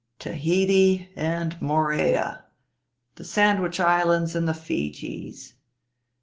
Tahiti and Morea, the Sandwich Islands and the Feejees.